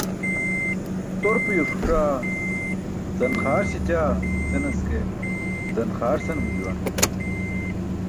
Turpiyo suc̣aa? Zan-xaar śećaa? Senas ke, zan-xar senum juwan.